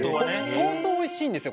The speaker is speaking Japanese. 相当美味しいんですよ。